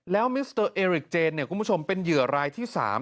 แล้วมิสเตอร์เอริกเจนคุณผู้ชมเป็นเหยื่อรายที่๓